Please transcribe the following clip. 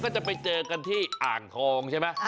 จะไปเจอกันที่อ่างทองใช่ไหม